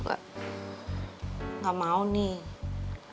enggak mau nih